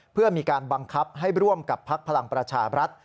เพื่อมีการบังคับให้ร่วมกับพักพลังประชาบรัฐ